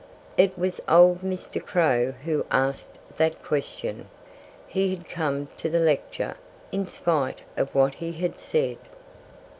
It was old Mr. Crow who asked that question. He had come to the lecture, in spite of what he had said.